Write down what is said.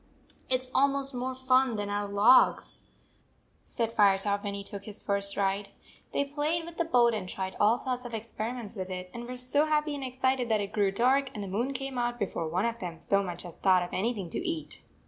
"It s almost more fun than our logs," said Firetop, when he took his first ride. They played with the boat and tried all sorts of experiments with it, and were so happy and excited that it grew dark and the moon came out before one of them so much as thought of anything to eat.